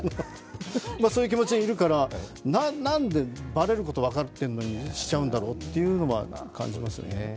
そういう気持ちでいるからなんでバレることが分かっているのにしちゃうんだろうというのは感じますよね。